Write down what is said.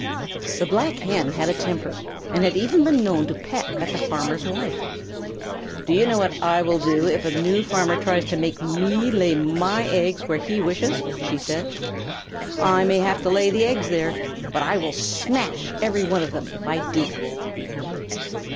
The Black Hen had a temper, and had even been known to peck at the Farmer's Wife. "Do you know what I will do if a new Farmer tries to make me lay my eggs where he wishes?" she said. "I may have to lay the eggs there, but I will smash every one of them if I do."